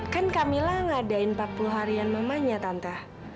kan camilla ngadain empat puluh harian mamanya tante